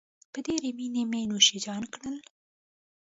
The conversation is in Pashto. په ډېرې مينې مې نوشیجان کړل.